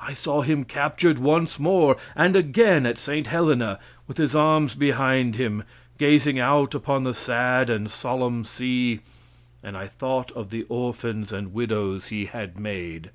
I saw him captured once more, and again at St. Helena, with his arms behind him, gazing out upon the sad and solemn sea; and I thought of the orphans and Widows he had made.